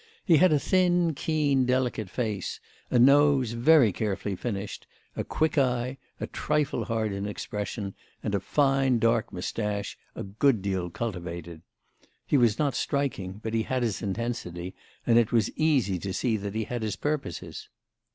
He had a thin keen delicate face, a nose very carefully finished, a quick eye, a trifle hard in expression, and a fine dark moustache, a good deal cultivated. He was not striking, but he had his intensity, and it was easy to see that he had his purposes.